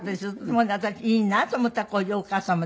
もうね私いいなと思ったこういうお母様で。